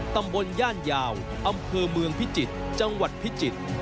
ตำบลย่านยาวอำเภอเมืองพิจิตรจังหวัดพิจิตร